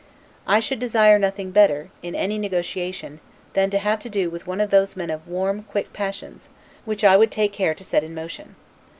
I should desire nothing better, in any negotiation, than to have to do with one of those men of warm, quick passions; which I would take care to set in motion.